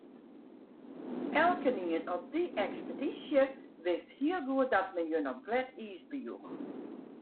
Elkenien op dy ekspedysje wist hiel goed dat men jin op glêd iis bejoech.